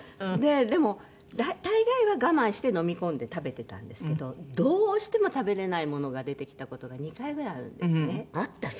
でも大概は我慢して飲み込んで食べていたんですけどどうしても食べれないものが出てきた事が２回ぐらいあるんですね。